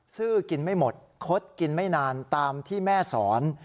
ซื้อกินไม่หมดคดกินไม่นานตามที่แม่สอน